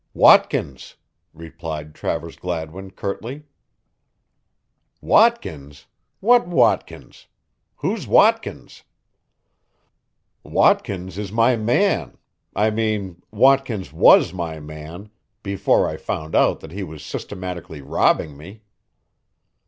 "Watkins!" replied Travers Gladwin curtly. "Watkins! What Watkins? Who's Watkins?" "Watkins is my man I mean, Watkins was my man before I found out that he was systematically robbing me."